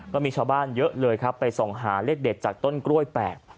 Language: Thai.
ก็มีชาวบ้านเยอะเลยครับไปส่องหาเลขเด็ดจากต้นกล้วยแปลก